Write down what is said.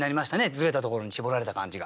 ずれたところにしぼられた感じが。